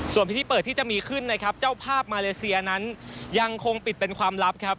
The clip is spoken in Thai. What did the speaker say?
ส่วนพิธีเปิดที่จะมีขึ้นนะครับเจ้าภาพมาเลเซียนั้นยังคงปิดเป็นความลับครับ